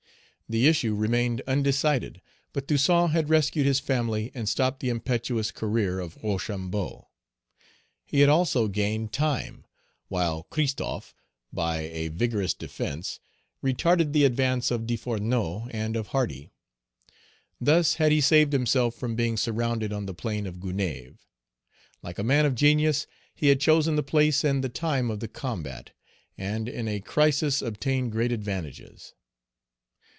The issue remained undecided; but Toussaint had rescued his Page 187 family and stopped the impetuous career of Rochambeau. He had also gained time, while Christophe, by a vigorous defence, retarded the advance of Desfourneaux and of Hardy. Thus had he saved himself from being surrounded on the plain of Gonaïves. Like a man of genius, he had chosen the place and the time of the combat, and in a crisis obtained great advantages.